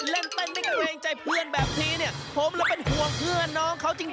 เล่นเต้นไม่เกรงใจเพื่อนแบบนี้เนี่ยผมเลยเป็นห่วงเพื่อนน้องเขาจริง